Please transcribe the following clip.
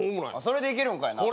それでいけるんかいな。